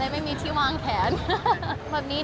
ใช่ไหมคะที่ถ่ายลงไอจีน